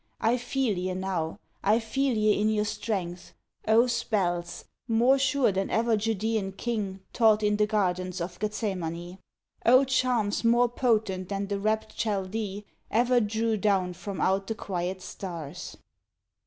I feel ye now I feel ye in your strength O spells more sure than e'er Judaean king Taught in the gardens of Gethsemane! O charms more potent than the rapt Chaldee Ever drew down from out the quiet stars!